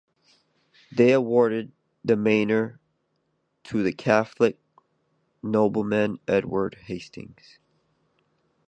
They awarded the manor to the Catholic nobleman Edward Hastings.